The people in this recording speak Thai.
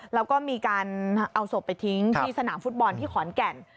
แล้วก็มีการเอาศพไปทิ้งที่สนามฟุตบอลที่ขอนแก่น